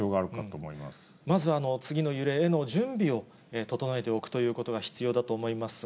まず、次の揺れへの準備を整えておくということが必要だと思いますが。